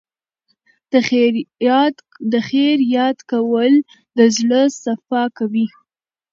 د خیر یاد کول د زړه صفا کوي.